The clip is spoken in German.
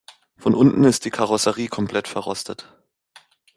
Von unten ist die Karosserie komplett verrostet.